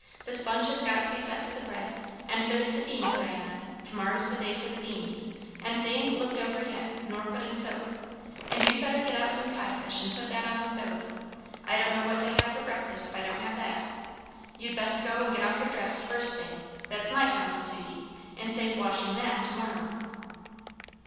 The sponge has got to be set for the bread; and there's the beans, Diana; to morrow's the day for the beans; and they ain't looked over yet, nor put in soak. And you'd better get out some codfish and put that on the stove. I don't know what to have for breakfast if I don't have that. You'd best go and get off your dress, first thing; that's my counsel to ye; and save washing that to morrow."